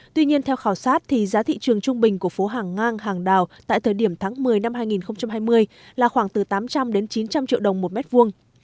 tuy nhiên theo khảo sát thì giá thị trường trung bình của phố hàng ngang hàng đào tại thời điểm tháng một mươi năm hai nghìn hai mươi là khoảng từ tám trăm linh đến chín trăm linh triệu đồng một mét vuông